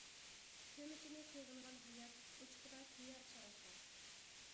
كۆمىچىنى سېغىنغان ھايات، ئوچىقىدا كۆيەر چاراسلاپ.